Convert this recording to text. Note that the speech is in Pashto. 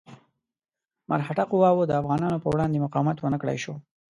مرهټه قواوو د افغانانو په وړاندې مقاومت ونه کړای شو.